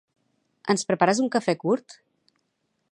Ens prepares un cafè curt?